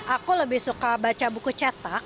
aku lebih suka baca buku cetak